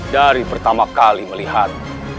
dari pertama kali melihat